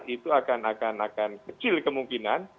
itu akan kecil kemungkinan